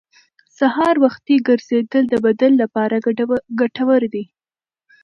سهار وختي ګرځېدل د بدن لپاره ګټور دي